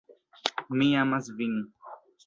Mi amas vin.